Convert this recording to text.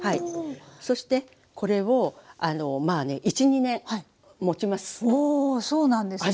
そしてこれをまあね１２年もちます。